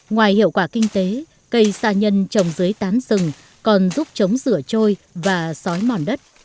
ngoài hiệu quả kinh tế cây sa nhân trồng dưới tán rừng còn giúp chống rửa trôi và sói mòn đất